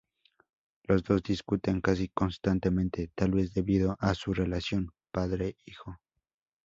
Los dos discuten casi constantemente, tal vez debido a su relación padre-hijo.